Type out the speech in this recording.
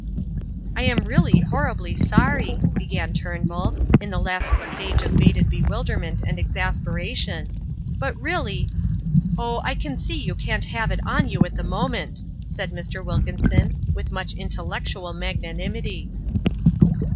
"I am really horribly sorry," began Turnbull, in the last stage of bated bewilderment and exasperation, "but really " "Oh, I can see you can't have it on you at the moment," said Mr. Wilkinson with much intellectual magnanimity.